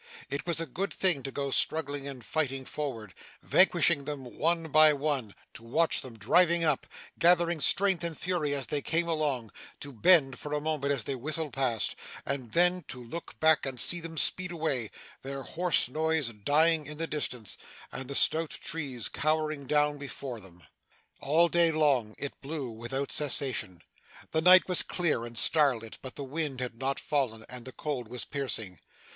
It was a good thing to go struggling and fighting forward, vanquishing them one by one; to watch them driving up, gathering strength and fury as they came along; to bend for a moment, as they whistled past; and then to look back and see them speed away, their hoarse noise dying in the distance, and the stout trees cowering down before them. All day long, it blew without cessation. The night was clear and starlit, but the wind had not fallen, and the cold was piercing.